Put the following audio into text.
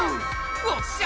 おっしゃ！